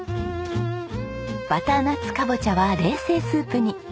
バターナッツカボチャは冷製スープに。